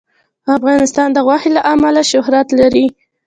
افغانستان د غوښې له امله شهرت لري.